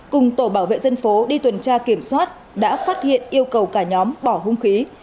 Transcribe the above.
cùng tổ bảo vệ dân phố đi tuần tra kiểm soát đã phát hiện yêu cầu cả nhóm bỏ hung khí